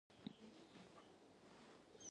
په سمڅه کې تياره وه.